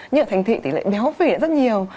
nhưng ở thành thị tỷ lệ béo phỉ rất nhiều